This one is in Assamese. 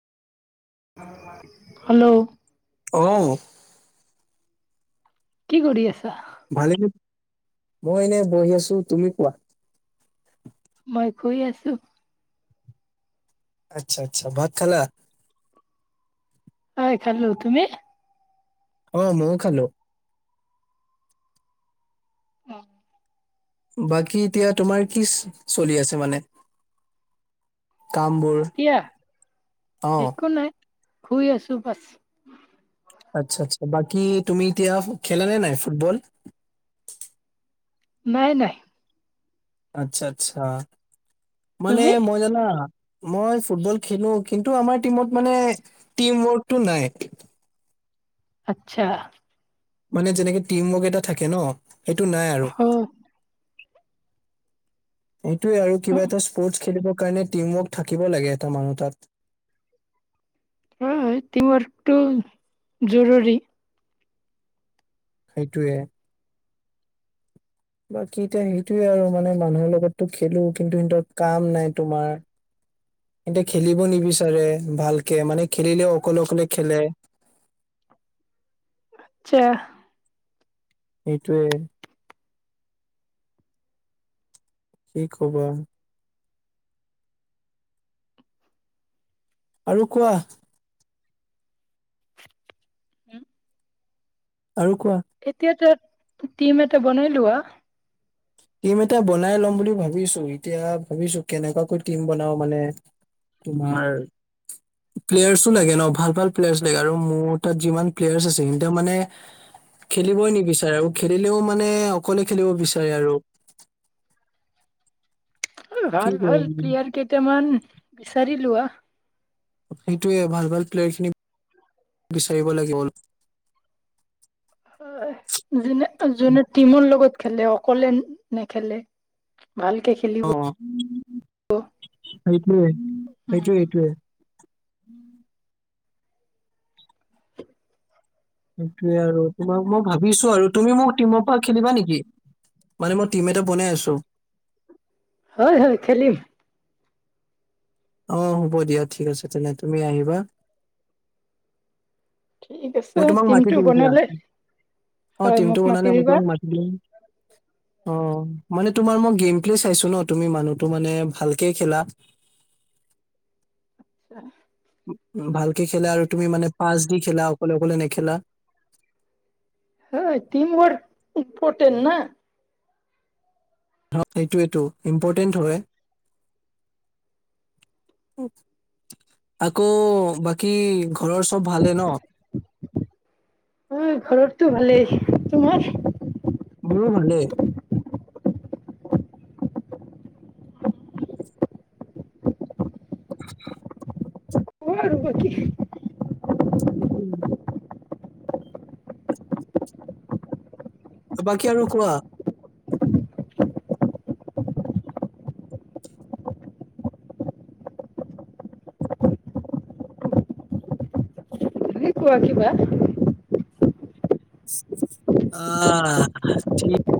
হেল্ল' অহ কি কৰি আছা। ভালে মই এনে বহি আছো তুমি কোৱা। মই কৈ আছো? আচ্ছা আচ্ছা ভাত খালা। হয় খালো তুমি। অ মও খালো। অ বাকী এতিয়া তোমাৰ কি চলি আছে মানে। কামবোৰ এতিয়া অ। হোই আছোঁ বচ। আচ্ছা আচ্ছা বাকী তুমি এতিয়া খেলা নে নাই ফুটবল। নাই নাই আচ্ছা আচ্ছা। মানে তুমি? মই জানা। মই ফুটবল খেলো কিন্তু আমাৰ টিমত মানে টিম ৱৰ্কটো নাই। আচ্ছা। মানে যেনেকে টিম ৱৰ্ক এটা থাকে ন। সেইটো নাই আৰু। অ' এইটোৱে আৰু কিবা এটা স্পৰ্টছ খেলিব। সেইকাৰণে টিম ৱৰ্ক থাকিব লাগে এটা মানুহ তাত। হয় টিমৱৰ্কটো জৰুৰী। সেইটোৱে? বাকী এতিয়া সেইটোৱে আৰু মানে মানুহৰ লগতো খেলো কিন্তু সিহঁতৰ কাম নাই তোমাৰ সিহঁতে খেলিব নিবিচাৰে ভালকে মানে খেলিলেও অকলে অকলে খেলে। সেয়া এইটোৱে? কি খবৰ আৰু কোৱা আৰু কোৱা এতিয়াটো? টিম এটা বনাই লোৱা। টিম এটা বনাই লম বুলি ভাবিছো এতিয়া ভাবিছো কেনেকোৱাকৈ টিম বনাও মানে তোমাৰ প্লেয়াৰছো লাগে ন ভাল ভাল প্লেয়াৰ্চ লাগে আৰু মোৰ তাত যিমান প্লেয়াৰ্চ আছে সেইকেইটা মানে খেলিবই নিবিচাৰে আৰু খেলিলেও মানে অকলে খেলিব বিচাৰে আৰু। কি ভাল ভাল কৰিম প্লেয়াৰ কেইটামান বিচাৰি লোৱা? সেইটোৱে ভাল ভাল প্লেয়াৰ খিনি। বিচাৰিব লাগিব। হয় যেনে যোনে টিমৰ লগত। খেলে অকলে নে খেলে। অ সেইটোৱেই? উম সেইটোৱে সেইটোৱে? উম সেইটোৱে আৰু তোমাক মই ভাবিছোঁ। আৰু তুমি মোক টিমৰ পৰা খেলিবা নেকি মানে মই টিম এটা বনাই আছোঁ। হয় হয় খেলিম অ হ'ব দিয়া ঠিক আছে তেনে তুমি আহিবা। ঠিক আছে মই তোমাক মাতি টিমটো দিম দিয়া বনালে অ হয় মোক টিমটো মাতি বনালে মই দিবা। তোমাক মাতি দিম অ মানে তোমাৰ মই গেম প্লে চাইছোঁ ন তুমি মানুহটো মানে ভালকে খেলা। [inaudible] ভালকে খেলা আৰু তুমি মানে পাঁচ দি খেলা। অকলে অকলে নেখেলা। হৈ তিম বৌদ ইম্পৰ্টেণ্টন না। সেইটোটো ইম্পৰ্টেণ্ট হয় আকৌ বাকী। ঘৰৰ চব ভালে ন। অ ঘৰতটো ভালেই তোমাৰ? মোৰো ভালে। [inaudible] কোৱা আৰু বাকী? সেইটো। বাকী আৰু কোৱা। তুমি কোৱা কিবা? আহ ঠিক